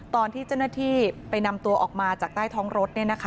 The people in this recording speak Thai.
ตอนที่เจ้าหน้าที่ไปนำตัวออกมาจากใต้ท้องรถ